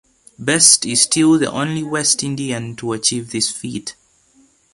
Best is still the only West Indian to achieve this feat.